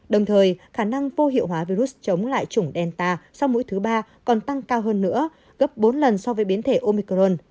đồng thời khả năng vô hiệu hóa virus chống lại chủng delta sau mũi thứ ba còn tăng cao hơn nữa gấp bốn lần so với biến thể omicron